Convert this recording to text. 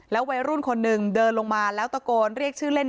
วัยรุ่นคนหนึ่งเดินลงมาแล้วตะโกนเรียกชื่อเล่น